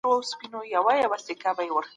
د کار کیفیت د فکر په ترتیب پورې تړلی دی.